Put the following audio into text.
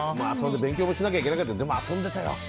勉強もしないといけないけどでも遊んでたよ。